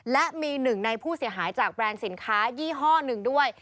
และมีหนึ่งในผู้เสียหายจากแบรนด์สินค้ายี่ห้อหนึ่งด้วย